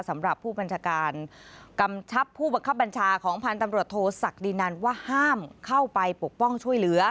สำหรับผู้บัญชาการกำชับผู้บังคับบัญชาของพันธ์ตำรวจโทษศักดินันว่าห้ามเข้าไปปกป้องช่วยเหลือ